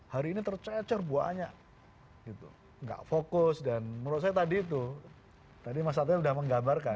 hari ini tercecer banyak gitu enggak fokus dan menurut saya tadi itu tadi mas satria sudah menggambarkan